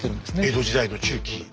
江戸時代の中期に。